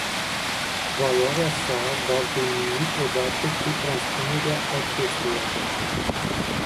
Valoarea sa va veni odată cu transpunerea acesteia.